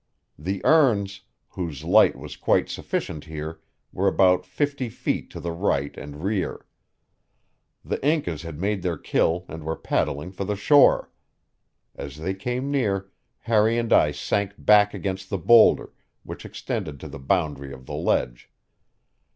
The urns, whose light was quite sufficient here, were about fifty feet to the right and rear. The Incas had made their kill and were paddling for the shore. As they came near, Harry and I sank back against the boulder, which extended to the boundary of the ledge.